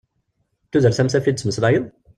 D tudert am ta iɣef d-ttmeslayeḍ?